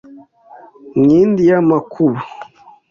Nkindi ya Makuba